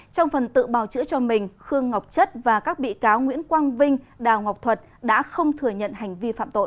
trong phần tự bào chữa cho mình khương ngọc chất và các bị cáo nguyễn quang vinh đào ngọc thuật đã không thừa nhận hành vi phạm tội